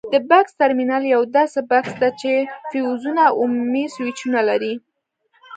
د بکس ترمینل یوه داسې بکس ده چې فیوزونه او عمومي سویچونه لري.